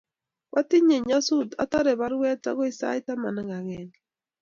kwa tinye nyasut atarei baruet akoi sait taman ak agenge